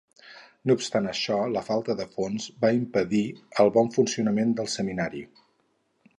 No obstant això, la falta de fons va impedir el bon funcionament del seminari.